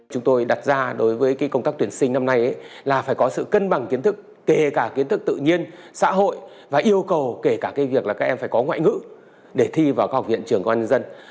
chúng tôi đặt ra đối với công tác tuyển sinh năm nay là phải có sự cân bằng kiến thức kể cả kiến thức tự nhiên xã hội và yêu cầu kể cả việc là các em phải có ngoại ngữ để thi vào các học viện trường công an nhân dân